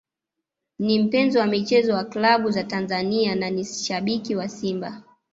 Ni mpenzi wa michezo ya klabu za Tanzania na ni shabiki wa Simba